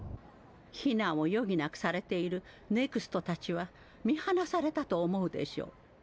⁉避難を余儀なくされているＮＥＸＴたちは見放されたと思うでしょう。